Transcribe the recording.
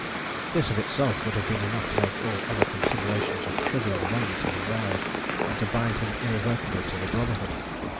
This of itself would have been enough to make all other considerations of trivial moment in his eyes, and to bind him irrevocably to the Brotherhood.